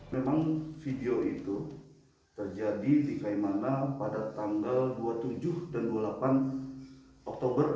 memang video itu terjadi di kaimana pada dua puluh tujuh dan dua puluh delapan oktober dua ribu sembilan belas